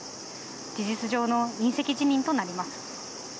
事実上の引責辞任となります。